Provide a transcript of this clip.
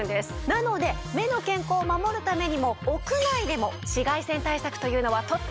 なので目の健康を守るためにも屋内でも紫外線対策というのはとっても大事なんです。